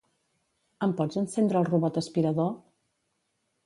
Em pots encendre el robot aspirador?